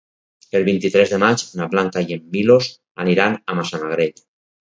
El vint-i-tres de maig na Blanca i en Milos aniran a Massamagrell.